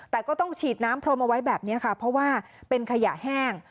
แต่ก็ต้องฉีดน้ำพรมเอาไว้แบบนี้ค่ะเพราะว่าเป็นขยะแห้ง